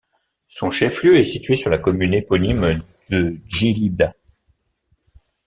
Son chef-lieu est situé sur la commune éponyme de Djelida.